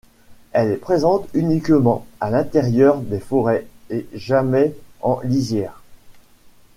Elle est présente uniquement à l'intérieur des forêts et jamais en lisière.